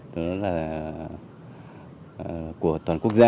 đó là của toàn quốc gia